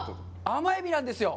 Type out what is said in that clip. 甘えびなんですよ！